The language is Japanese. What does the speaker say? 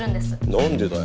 何でだよ？